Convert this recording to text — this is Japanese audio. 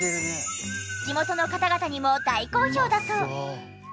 地元の方々にも大好評だそう。